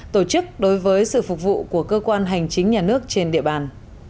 tổ chức đối với sự phục vụ của cơ quan hành chính nhà nước trên địa bàn